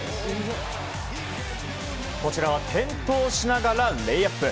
こちらは転倒しながらレイアップ。